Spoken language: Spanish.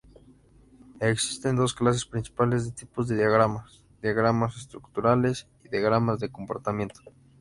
Existen dos clases principales de tipos de diagramas: diagramas "estructurales" y diagramas de "comportamiento".